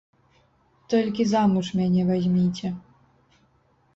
Толькі замуж мяне вазьміце.